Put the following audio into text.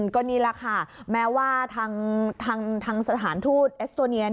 ก็นี่แหละค่ะแม้ว่าทางสถานทูตเอสโตเนีย